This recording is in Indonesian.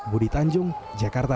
budi tanjung jakarta